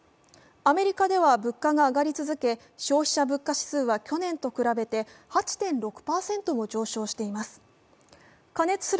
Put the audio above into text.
アメリカでは物価が上がり続け消費者物価指数は去年と比べて８．６％も上昇しています。